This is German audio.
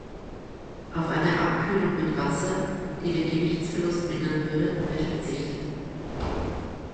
Auf eine Abkühlung mit Wasser, die den Gewichtsverlust mindern würde, wird verzichtet.